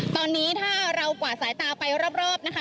ตอนนี้ถ้าเรากวาดสายตาไปรอบนะคะ